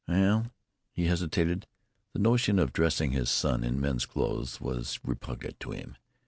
"Well " He hesitated. The notion of dressing his son in men's clothes was repugnant to him.